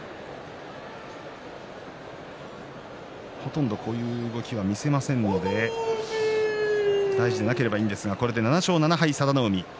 ほとんどこういう動きを見せませんので大事なければいいんですがこれで７勝７敗の佐田の海。